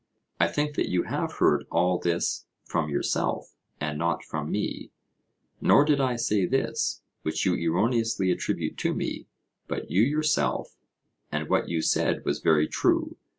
I think that you have heard all this 'from yourself, and not from me'; nor did I say this, which you erroneously attribute to me, but you yourself, and what you said was very true.